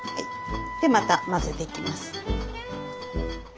でまた混ぜていきます。